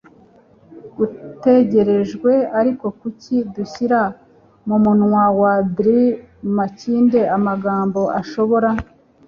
gutegerejwe - ariko kuki dushyira mumunwa wa dr makinde amagambo ashobora